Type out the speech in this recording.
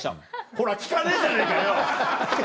ほら聞かねえじゃねぇかよ！